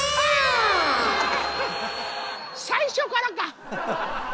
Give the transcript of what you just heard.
最初からか！